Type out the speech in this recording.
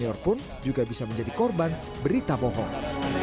senior pun juga bisa menjadi korban berita bohong